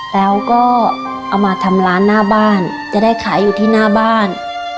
แล้วก็เอามาทำร้านหน้าบ้านจะได้ขายอยู่ที่หน้าบ้าน